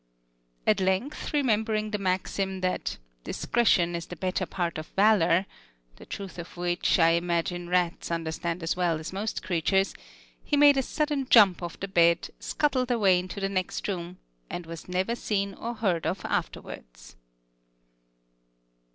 At length, remembering the maxim that "discretion is the better part of valor" the truth of which, I imagine, rats understand as well as most creatures, he made a sudden jump off the bed, scuttled away into the next room, and was never seen or heard of afterwards....